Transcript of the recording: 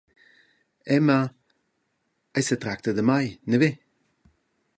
Emma …» «Ei setracta da mei, neve?